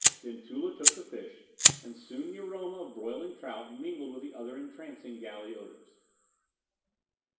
Then Tula took the fish, and soon the aroma of broiling trout mingled with the other entrancing galley odors.